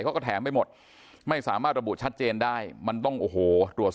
เขาก็แถมไปหมดไม่สามารถระบุชัดเจนได้มันต้องโอ้โหตรวจสอบ